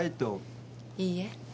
いいえ。